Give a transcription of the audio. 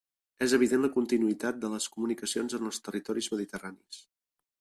És evident la continuïtat de les comunicacions en els territoris mediterranis.